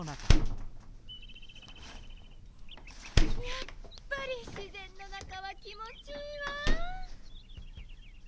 やっぱりしぜんの中は気もちいいわ！